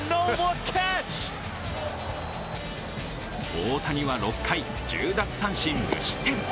大谷は６回１０奪三振無失点。